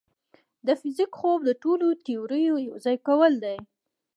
د فزیک خوب د ټولو تیوريو یوځای کول دي.